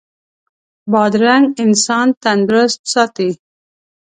بادرنګ انسان تندرست ساتي.